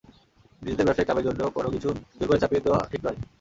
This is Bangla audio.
নিজেদের ব্যবসায়িক লাভের জন্য কোনো কিছু জোর করে চাপিয়ে দেওয়া ঠিক নয়।